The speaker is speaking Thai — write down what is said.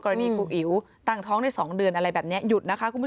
ครูอิ๋วตั้งท้องได้๒เดือนอะไรแบบนี้หยุดนะคะคุณผู้ชม